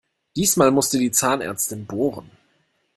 Diesmal musste die Zahnärztin bohren.